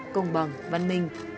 công bằng văn minh